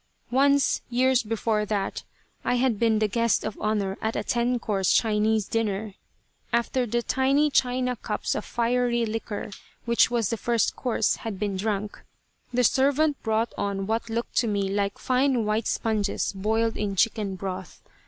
Once, years before that, I had been the guest of honor at a ten course Chinese dinner. After the tiny China cups of fiery liquor, which was the first course, had been drunk, the servant brought on what looked to me like fine white sponges boiled in chicken broth.